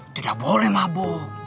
tidak boleh mabok